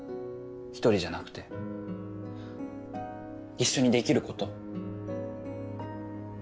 １人じゃなくて一緒にできること。